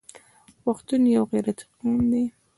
پښتون یو غیرتي قوم دی.